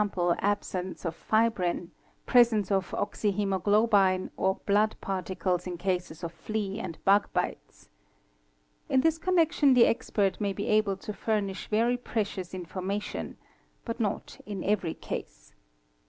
absence of fibrine, presence of oxyhemoglobine or blood par ticles in cases of flea and bug bites. In this connection the expert may be able to furnish very precious information—but not in every case.